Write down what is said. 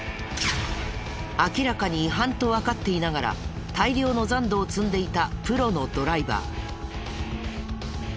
明らかに違反とわかっていながら大量の残土を積んでいたプロのドライバー。